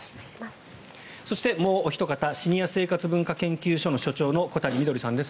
そして、もうおひと方シニア生活文化研究所の所長の小谷みどりさんです。